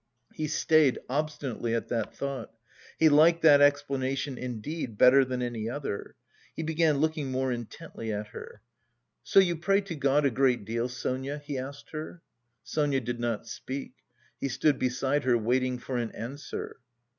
He stayed obstinately at that thought. He liked that explanation indeed better than any other. He began looking more intently at her. "So you pray to God a great deal, Sonia?" he asked her. Sonia did not speak; he stood beside her waiting for an answer.